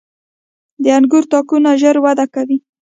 • د انګورو تاکونه ژر وده کوي.